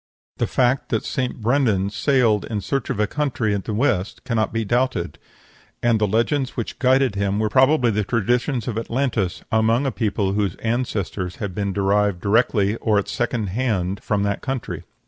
The fact that St. Brendan sailed in search of a country in the west cannot be doubted; and the legends which guided him were probably the traditions of Atlantis among a people whose ancestors had been derived directly or at second hand from that country.